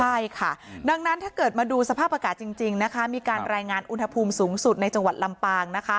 ใช่ค่ะดังนั้นถ้าเกิดมาดูสภาพอากาศจริงนะคะมีการรายงานอุณหภูมิสูงสุดในจังหวัดลำปางนะคะ